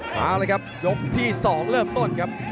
มาเลยครับยกที่๒เริ่มต้นครับ